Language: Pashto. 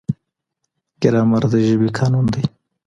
ګرامر د ژبې قانون دی.